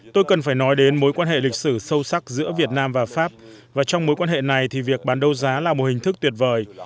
tôi cần phải nói đến mối quan hệ lịch sử sâu sắc giữa việt nam và pháp và trong mối quan hệ này thì việc bán đấu giá là một hình thức tuyệt vời